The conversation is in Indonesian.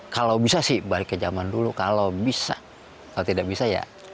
kalau bisa sih balik ke zaman dulu kalau bisa kalau tidak bisa ya